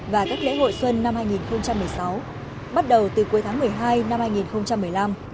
và các lễ hội xuân năm hai nghìn một mươi sáu bắt đầu từ cuối tháng một mươi hai năm hai nghìn một mươi năm